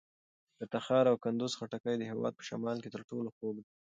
د تخار او کندوز خټکي د هېواد په شمال کې تر ټولو خوږ دي.